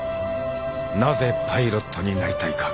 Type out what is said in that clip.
なぜパイロットになりたいか。